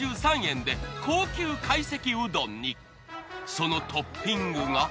そのトッピングが。